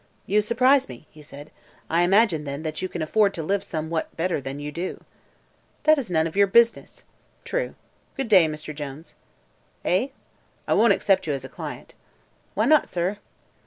"You surprise me," he said. "I imagine, then, that you can afford to live somewhat better than you do." "That is none of your business." "True. Good day, Mr. Jones." "Eh?" "I won't accept you as a client." "Why not, sir?"